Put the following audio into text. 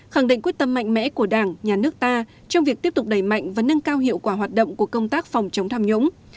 khẳng định quyết tâm mạnh mẽ của đảng nhà nước ta trong việc tiếp tục đẩy mạnh và nâng cao hiệu quả hoạt động của công tác phòng chống tham nhũng